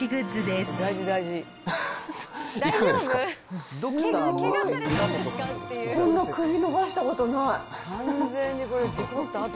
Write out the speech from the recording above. すごい、こんな首伸ばしたことない。